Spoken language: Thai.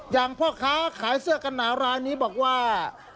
พ่อค้าขายเสื้อกันหนาวรายนี้บอกว่า